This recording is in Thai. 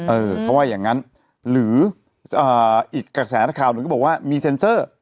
เออเขาว่าอย่างนั้นหรืออีกกระแสข่าวหนึ่งก็บอกว่ามีเซ็นเซอร์